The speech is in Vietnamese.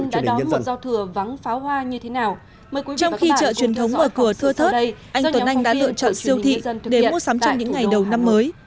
trong khi chợ truyền thống mở cửa thưa thớt anh tuấn anh đã lựa chọn siêu thị để mua sắm trong những ngày đầu năm mới